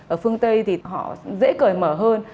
ở phương tây thì họ dễ cởi mở hơn